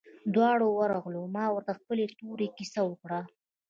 دواړه ورغلو ما ورته د خپلې تورې كيسه وكړه.